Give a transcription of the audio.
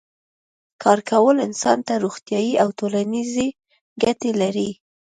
کار کول انسان ته روغتیایی او ټولنیزې ګټې لري